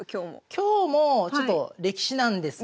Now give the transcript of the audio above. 今日もちょっと歴史なんです。